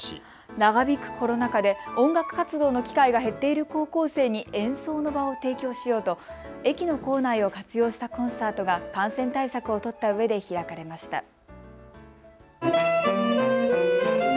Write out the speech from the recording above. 長引くコロナ禍で音楽活動の機会が減っている高校生に演奏の場を提供しようと駅の構内を活用したコンサートが感染対策を取ったうえで開かれました。